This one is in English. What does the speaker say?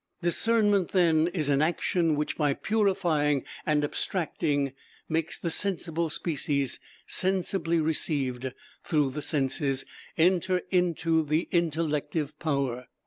Discernment, then, is an action which, by purifying and abstracting, makes the sensible species, sensibly received through the senses, enter into the intellective power.